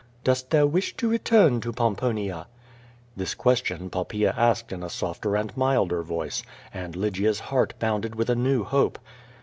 "Dost thou wish to return to Pomponia?" This question Poppaea asked in a softer and milder voice, and Lygia's heart bounded with a new hope.